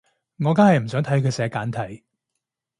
我梗係唔想睇佢寫簡體